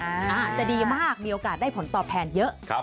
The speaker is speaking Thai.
อาจจะดีมากมีโอกาสได้ผลตอบแทนเยอะ